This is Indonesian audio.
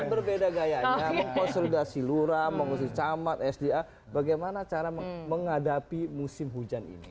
berbeda gayanya mengkonsolidasi lurah mengkonsolidasi camat sda bagaimana cara menghadapi musim hujan ini